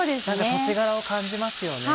土地柄を感じますよね。